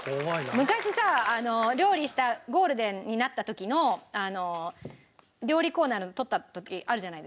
昔さ料理したゴールデンになった時の料理コーナーの撮った時あるじゃないですか。